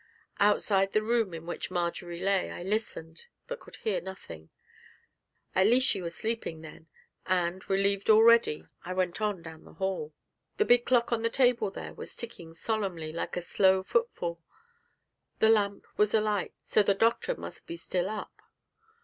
Outside the room in which Marjory lay, I listened, but could hear nothing. At least she was sleeping, then, and, relieved already, I went on down to the hall. The big clock on a table there was ticking solemnly, like a slow footfall; the lamp was alight, so the Doctor must be still up.